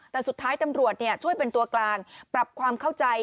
แต่สุดท้ายตำรวจช่วยเป็นตัวกลางปรับความเข้าใจ